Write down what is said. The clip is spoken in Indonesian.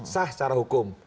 sah secara hukum